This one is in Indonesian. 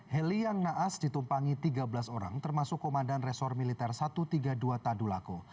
heli yang naas ditumpangi tiga belas orang termasuk komandan resor militer satu ratus tiga puluh dua tadulako